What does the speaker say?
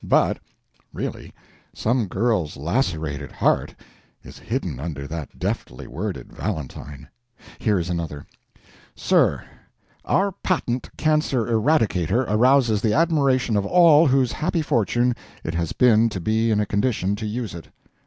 But, really, some girl's lacerated heart is hidden under that deftly worded valentine. Here is another: "SIR: Our patent Cancer Eradicator arouses the admiration of all whose happy fortune it has been to be in a condition to use it.